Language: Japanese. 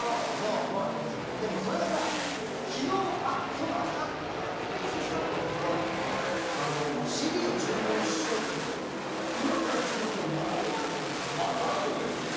それが昨日そういえば明日だから予習しようと思ってＣＤを注文しようと思って今から注文しても間に合わないってことに気づいてさ。